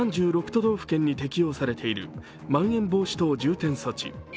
都道府県に適用されているまん延防止等重点措置。